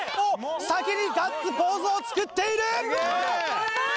先にガッツポーズを作っている！